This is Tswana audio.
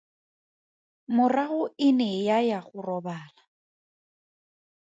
Morago e ne ya ya go robala.